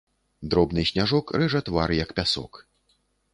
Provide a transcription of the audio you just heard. Дробны сняжок рэжа твар як пясок.